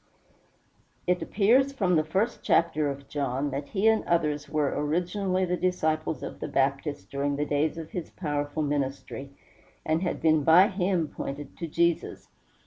It appears from the first chapter of John, that he and others were originally the disciples of the Baptist during the days of his first powerful ministry, and had been by him pointed to Jesus.